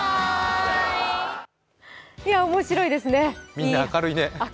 みんな明るいね。